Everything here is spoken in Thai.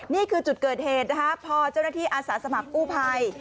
นี่คือจุดเกิดเหตุนะคะพอเจ้าหน้าที่อาสาสมัครกู้ภัย